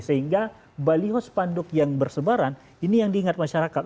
sehingga balios panduk yang bersebaran ini yang diingat masyarakat